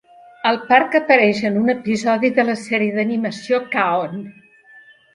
El parc apareix en un episodi de la sèrie d'animació "K-On!"